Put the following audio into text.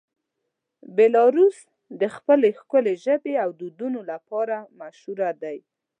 بیلاروس د خپل ښکلې ژبې او دودونو لپاره مشهوره دی.